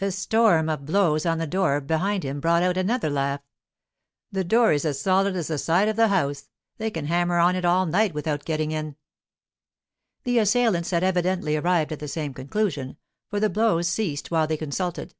A storm of blows on the door behind him brought out another laugh. 'That door is as solid as the side of the house. They can hammer on it all night without getting in.' The assailants had evidently arrived at the same conclusion, for the blows ceased while they consulted.